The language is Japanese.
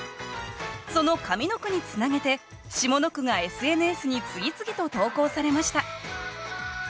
その上の句につなげて下の句がＳＮＳに次々と投稿されました